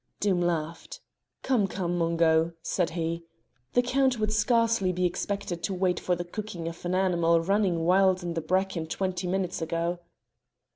Doom laughed. "Come, come, Mungo," said he, "the Count could scarcely be expected to wait for the cooking of an animal running wild in the bracken twenty minutes ago."